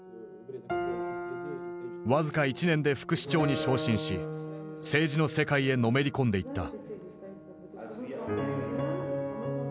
僅か１年で副市長に昇進し政治の世界へのめり込んでいった。